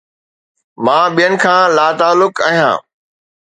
مان ٻين کان لاتعلق آهيان